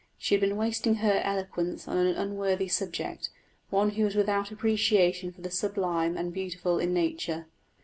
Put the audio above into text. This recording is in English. She had been wasting her eloquence on an unworthy subject one who was without appreciation for the sublime and beautiful in nature.